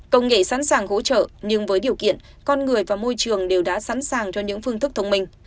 công nghệ sẵn sàng hỗ trợ nhưng với điều kiện con người và môi trường đều đã sẵn sàng cho những phương thức thông minh